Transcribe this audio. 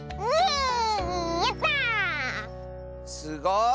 すごい！